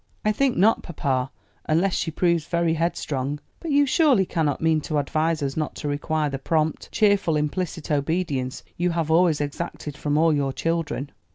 "I think not, papa; unless she proves very head strong; but you surely cannot mean to advise us not to require the prompt, cheerful, implicit obedience you have always exacted from all your children?"